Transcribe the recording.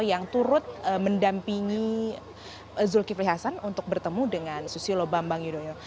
yang turut mendampingi zulkifli hasan untuk bertemu dengan susilo bambang yudhoyono